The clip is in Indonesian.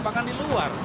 eh bapak kan di luar